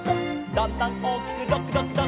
「だんだんおおきくどくどくどく」